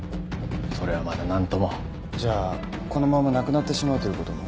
それはまだなんとも。じゃあこのまま亡くなってしまうという事も。